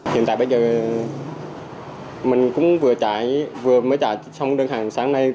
hiện tại bây giờ mình cũng vừa trải vừa mới trải xong đơn hàng sáng nay